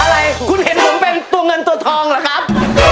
อะไรคุณเห็นผมเป็นตัวเงินตัวทองเหรอครับ